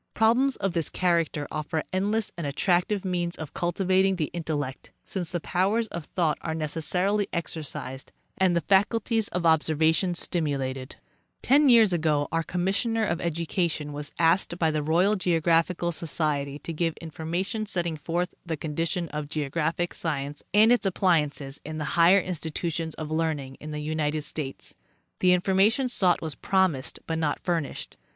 Problems of this character offer endless and attractive means of cultivating the intellect, since the powers of thought are necessarily exercised and the faculties of observa tion stimulated. \ 206 A. W. Greely—Annual Address. Ten years ago our Commissioner of Education was asked by the Royal Geographical Society to give information setting forth the condition of geographic science and its appliances in the higher institutions of learning in the United States. The infor mation sought was promised, but not furnished.